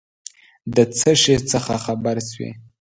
د څه شي څخه خبر سوې ؟